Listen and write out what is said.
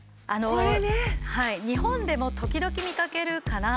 日本でも時々見かけるかな。